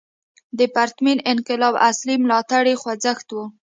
د پرتمین انقلاب اصلي ملاتړی خوځښت و.